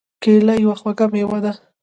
کېله یو خوږ مېوه ده.